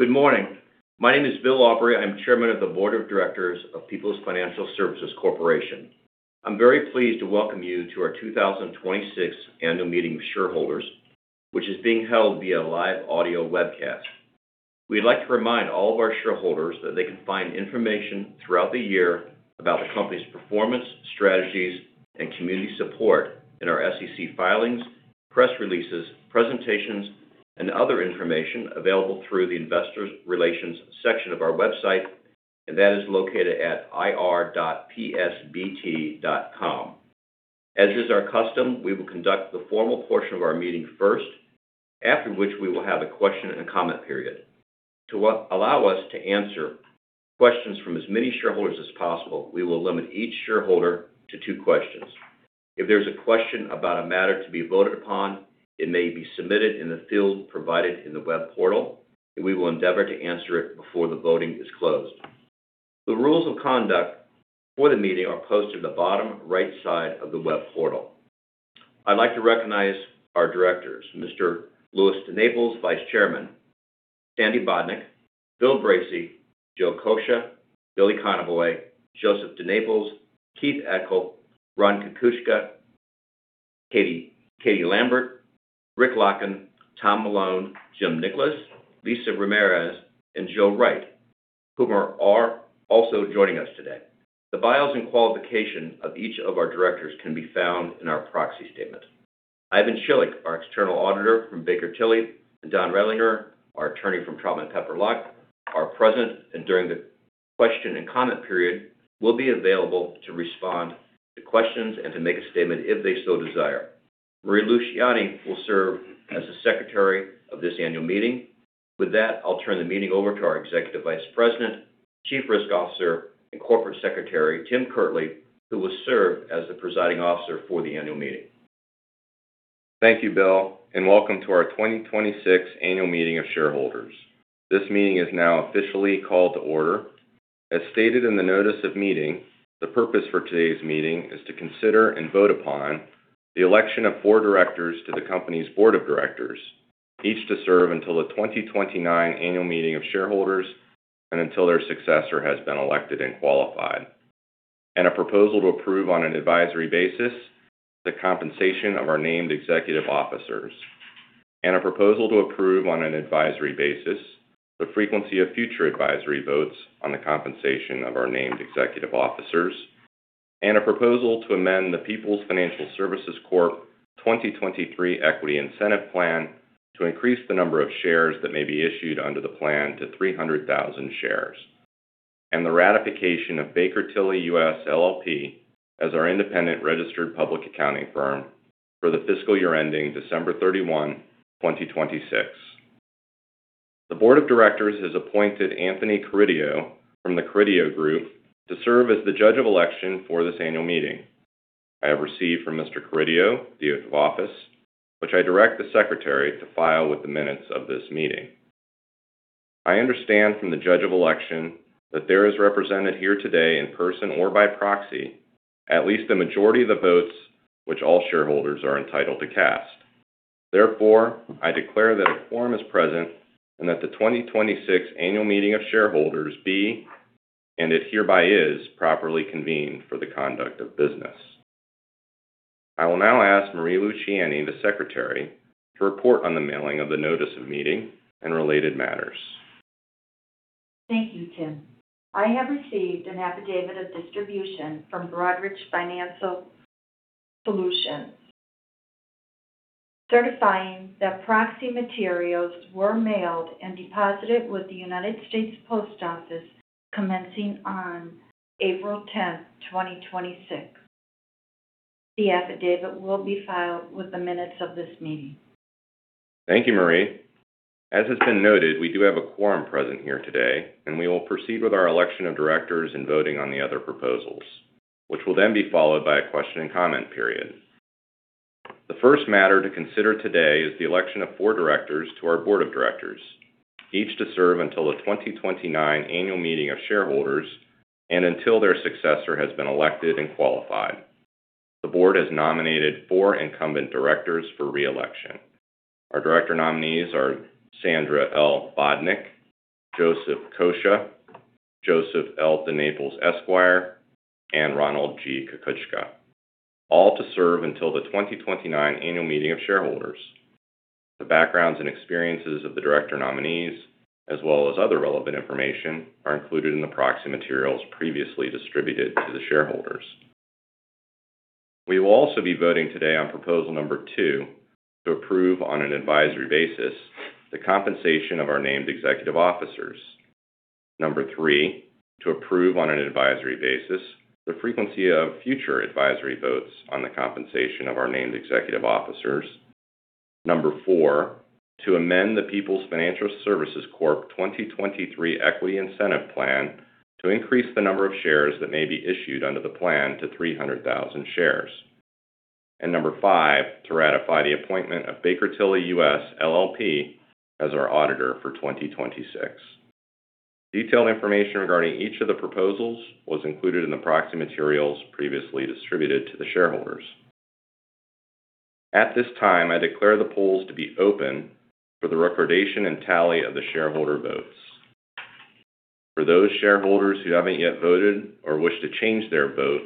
Good morning. My name is Bill Aubrey. I'm Chairman of the Board of Directors of Peoples Financial Services Corporation. I'm very pleased to welcome you to our 2026 Annual Meeting of Shareholders, which is being held via live audio webcast. We'd like to remind all of our shareholders that they can find information throughout the year about the company's performance, strategies, and community support in our SEC filings, press releases, presentations, and other information available through the investor relations section of our website, and that is located at ir.psbt.com. As is our custom, we will conduct the formal portion of our meeting first, after which we will have a question and a comment period. To allow us to answer questions from as many shareholders as possible, we will limit each shareholder to two questions. If there's a question about a matter to be voted upon, it may be submitted in the field provided in the web portal, and we will endeavor to answer it before the voting is closed. The rules of conduct for the meeting are posted at the bottom right side of the web portal. I'd like to recognize our directors, Mr. Louis DeNaples, Vice Chairman, Sandy Bodnyk, Bill Bracey, Joe Coccia, Billy Conaway, Joseph DeNaples, Keith Eckel, Ron Kukuchka, Katie Lambert, Rick Larkin, Tom Malone, Jim Nicholas, Lisa Ramirez, and Jill Wright, whom are also joining us today. The bios and qualification of each of our directors can be found in our proxy statement. Ivan Schillig, our external auditor from Baker Tilly, and Donald R. Readlinger, our attorney from Troutman Pepper Locke, are present, and during the question and comment period, will be available to respond to questions and to make a statement if they so desire. Marie Luciani will serve as the secretary of this annual meeting. With that, I'll turn the meeting over to our Executive Vice President, Chief Risk Officer, and Corporate Secretary, Tim Kirtley, who will serve as the presiding officer for the annual meeting. Thank you, Bill, and welcome to our 2026 annual meeting of shareholders. This meeting is now officially called to order. As stated in the notice of meeting, the purpose for today's meeting is to consider and vote upon the election of four directors to the company's board of directors, each to serve until the 2029 annual meeting of shareholders, and until their successor has been elected and qualified. A proposal to approve on an advisory basis the compensation of our named executive officers. A proposal to approve on an advisory basis the frequency of future advisory votes on the compensation of our named executive officers. A proposal to amend the Peoples Financial Services Corp. 2023 Equity Incentive Plan to increase the number of shares that may be issued under the plan to 300,000 shares. The ratification of Baker Tilly US LLP as our independent registered public accounting firm for the fiscal year ending December 31, 2026. The Board of Directors has appointed Anthony Carideo from The Carideo Group to serve as the Judge of Election for this annual meeting. I have received from Mr. Carideo the oath of office, which I direct the Secretary to file with the minutes of this meeting. I understand from the Judge of Election that there is represented here today in person or by proxy, at least the majority of the votes which all shareholders are entitled to cast. I declare that a quorum is present and that the 2026 annual meeting of shareholders be, and it hereby is, properly convened for the conduct of business. I will now ask Marie Luciani, the Secretary, to report on the mailing of the notice of meeting and related matters. Thank you, Tim. I have received an affidavit of distribution from Broadridge Financial Solutions, certifying that proxy materials were mailed and deposited with the United States Post Office commencing on April 10th, 2026. The affidavit will be filed with the minutes of this meeting. Thank you, Marie. As has been noted, we do have a quorum present here today, and we will proceed with our election of directors and voting on the other proposals, which will then be followed by a question and comment period. The first matter to consider today is the election of four directors to our board of directors, each to serve until the 2029 annual meeting of shareholders and until their successor has been elected and qualified. The board has nominated four incumbent directors for re-election. Our director nominees are Sandra L. Bodnyk, Joseph Coccia, Joseph L. DeNaples, Esquire, and Ronald G. Kukuchka, all to serve until the 2029 annual meeting of shareholders. The backgrounds and experiences of the director nominees, as well as other relevant information, are included in the proxy materials previously distributed to the shareholders. We will also be voting today on proposal number two to approve on an advisory basis the compensation of our named executive officers. Number three, to approve on an advisory basis the frequency of future advisory votes on the compensation of our named executive officers. Number four, to amend the Peoples Financial Services Corp. 2023 Equity Incentive Plan to increase the number of shares that may be issued under the plan to 300,000 shares. Number five, to ratify the appointment of Baker Tilly US, LLP as our auditor for 2026. Detailed information regarding each of the proposals was included in the proxy materials previously distributed to the shareholders. At this time, I declare the polls to be open for the recordation and tally of the shareholder votes. For those shareholders who haven't yet voted or wish to change their vote,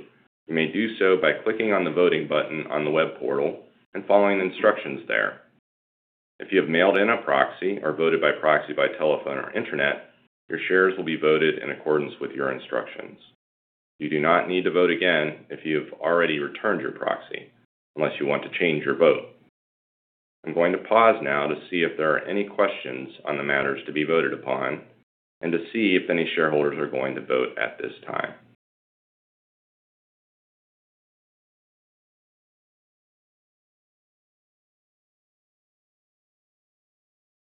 you may do so by clicking on the voting button on the web portal and following the instructions there. If you have mailed in a proxy or voted by proxy by telephone or internet, your shares will be voted in accordance with your instructions. You do not need to vote again if you've already returned your proxy, unless you want to change your vote. I'm going to pause now to see if there are any questions on the matters to be voted upon and to see if any shareholders are going to vote at this time.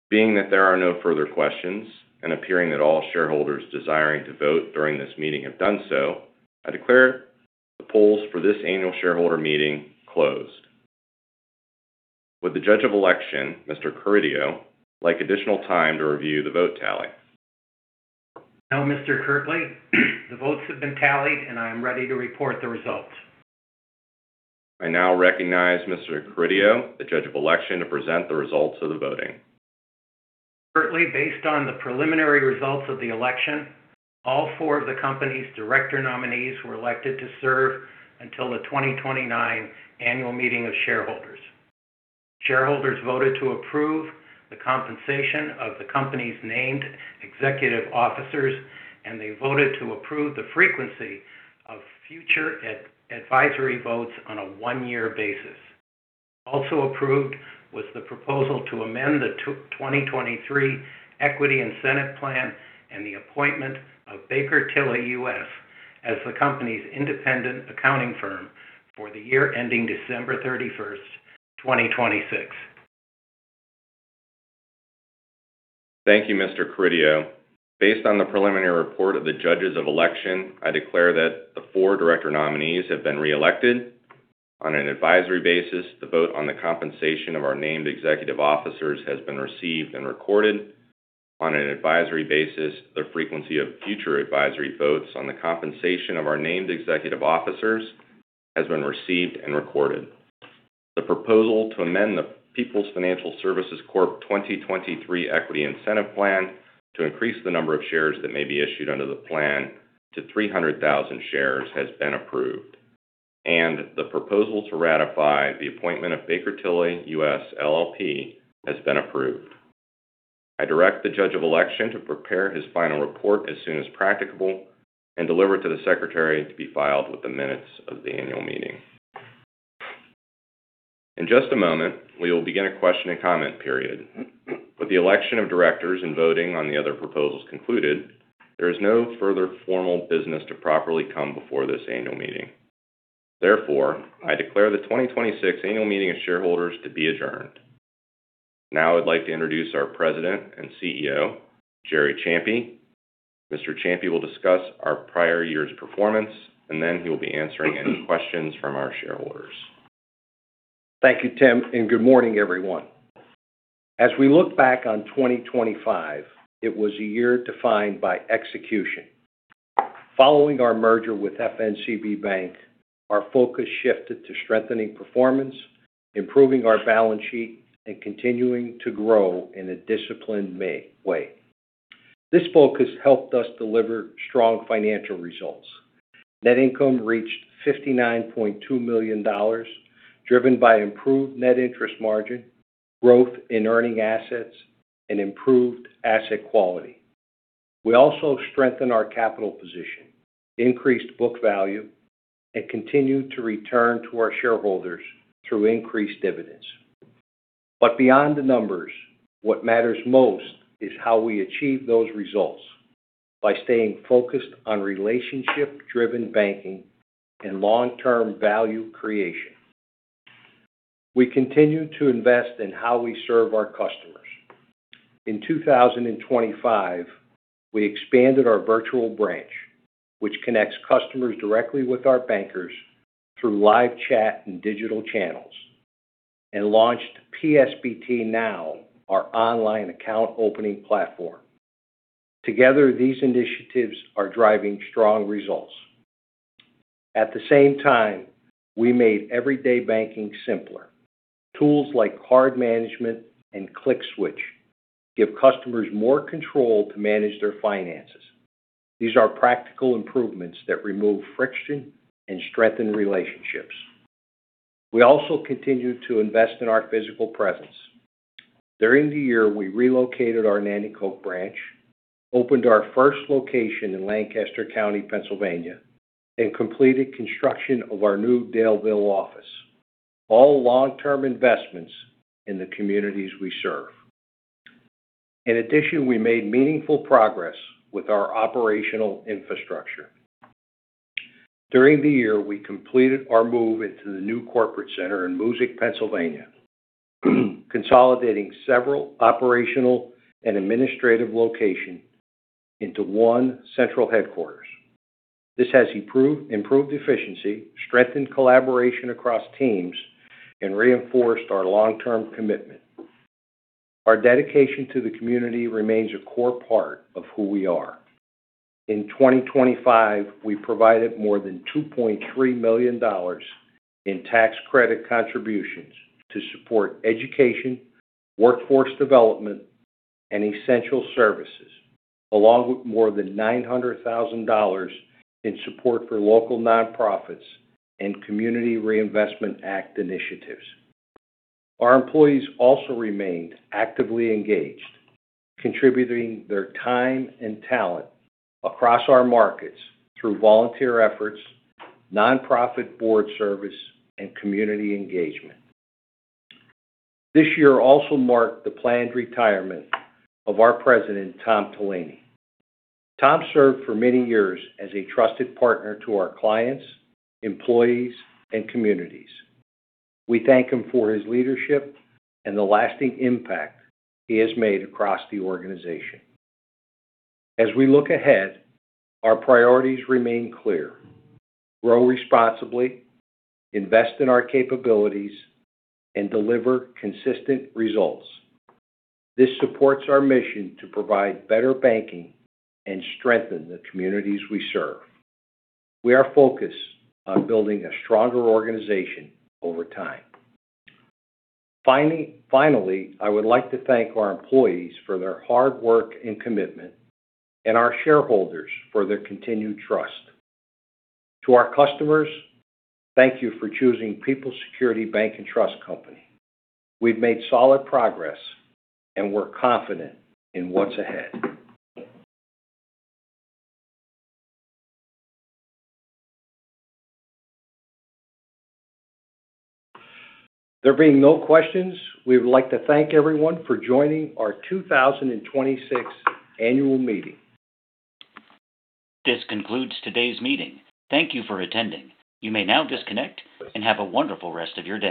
Being that there are no further questions, and appearing that all shareholders desiring to vote during this meeting have done so, I declare the polls for this annual shareholder meeting closed. Would the Judge of Election, Mr. Carideo, like additional time to review the vote tally? No, Mr. Kirtley. The votes have been tallied, and I am ready to report the results. I now recognize Mr. Carideo, the Judge of Election, to present the results of the voting. Kirtley, based on the preliminary results of the election, all four of the company's director nominees were elected to serve until the 2029 annual meeting of shareholders. Shareholders voted to approve the compensation of the company's named executive officers, and they voted to approve the frequency of future advisory votes on a one-year basis. Also approved was the proposal to amend the 2023 Equity Incentive Plan and the appointment of Baker Tilly US as the company's independent accounting firm for the year ending December 31st, 2026. Thank you, Mr. Carideo. Based on the preliminary report of the Judges of Election, I declare that the four director nominees have been reelected on an advisory basis. The vote on the compensation of our named executive officers has been received and recorded on an advisory basis. The frequency of future advisory votes on the compensation of our named executive officers has been received and recorded. The proposal to amend the Peoples Financial Services Corp. 2023 Equity Incentive Plan to increase the number of shares that may be issued under the plan to 300,000 shares has been approved, and the proposal to ratify the appointment of Baker Tilly US, LLP has been approved. I direct the Judge of Election to prepare his final report as soon as practicable and deliver it to the Secretary to be filed with the minutes of the annual meeting. In just a moment, we will begin a question and comment period. With the election of directors and voting on the other proposals concluded, there is no further formal business to properly come before this annual meeting. Therefore, I declare the 2026 Annual Meeting of Shareholders to be adjourned. I'd like to introduce our President and CEO, Gerry Champi. Mr. Champi will discuss our prior year's performance, and then he'll be answering any questions from our shareholders. Thank you, Tim, and good morning, everyone. As we look back on 2025, it was a year defined by execution. Following our merger with FNCB Bank, our focus shifted to strengthening performance, improving our balance sheet, and continuing to grow in a disciplined way. This focus helped us deliver strong financial results. Net income reached $59.2 million, driven by improved net interest margin, growth in earning assets, and improved asset quality. We also strengthened our capital position, increased book value, and continued to return to our shareholders through increased dividends. Beyond the numbers, what matters most is how we achieve those results, by staying focused on relationship-driven banking and long-term value creation. We continue to invest in how we serve our customers. In 2025, we expanded our virtual branch, which connects customers directly with our bankers through live chat and digital channels, and launched PSBT.NOW, our online account opening platform. Together, these initiatives are driving strong results. At the same time, we made everyday banking simpler. Tools like card management and ClickSWITCH give customers more control to manage their finances. These are practical improvements that remove friction and strengthen relationships. We also continue to invest in our physical presence. During the year, we relocated our Nanticoke branch, opened our first location in Lancaster County, Pennsylvania, and completed construction of our new Daleville office, all long-term investments in the communities we serve. In addition, we made meaningful progress with our operational infrastructure. During the year, we completed our move into the new corporate center in Moosic, Pennsylvania, consolidating several operational and administrative location into one central headquarters. This has improved efficiency, strengthened collaboration across teams, and reinforced our long-term commitment. Our dedication to the community remains a core part of who we are. In 2025, we provided more than $2.3 million in tax credit contributions to support education, workforce development, and essential services, along with more than $900,000 in support for local nonprofits and Community Reinvestment Act initiatives. Our employees also remained actively engaged, contributing their time and talent across our markets through volunteer efforts, nonprofit board service, and community engagement. This year also marked the planned retirement of our president, Thomas P. Tulaney. Thom served for many years as a trusted partner to our clients, employees, and communities. We thank him for his leadership and the lasting impact he has made across the organization. As we look ahead, our priorities remain clear. Grow responsibly, invest in our capabilities, and deliver consistent results. This supports our mission to provide better banking and strengthen the communities we serve. We are focused on building a stronger organization over time. Finally, I would like to thank our employees for their hard work and commitment, and our shareholders for their continued trust. To our customers, thank you for choosing Peoples Security Bank and Trust Company. We've made solid progress and we're confident in what's ahead. There being no questions, we would like to thank everyone for joining our 2026 annual meeting. This concludes today's meeting. Thank you for attending. You may now disconnect and have a wonderful rest of your day.